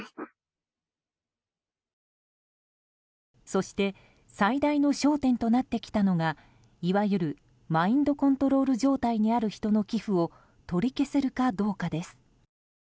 そして最大の焦点となってきたのが、いわゆるマインドコントロール状態にある人の寄付を取り消せるかどうかです。